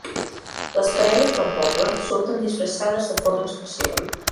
Les parelles del poble surten disfressades de forma especial.